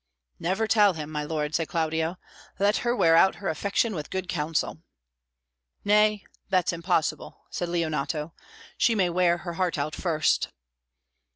"Never tell him, my lord," said Claudio. "Let her wear out her affection with good counsel." "Nay, that's impossible," said Leonato; "she may wear her heart out first."